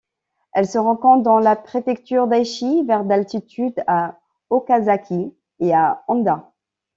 Elle se rencontre dans la préfecture d'Aichi vers d'altitude à Okazaki et à Handa.